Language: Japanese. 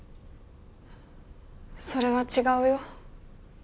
それは違うよ。